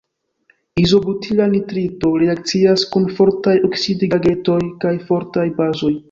Izobutila nitrito reakcias kun fortaj oksidigagentoj kaj fortaj bazoj.